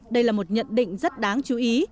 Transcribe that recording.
đây là một nhận định rất đáng chú ý